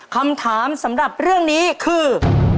คำถามสำหรับเรื่องนี้คือ